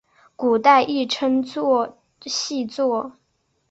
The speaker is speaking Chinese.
古代亦称作细作。